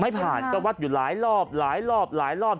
ไม่ผ่านก็วัดอยู่หลายรอบหลายรอบหลายรอบ